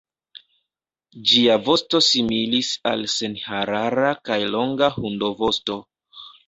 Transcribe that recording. Ĝia vosto similis al senharara kaj longa hundovosto.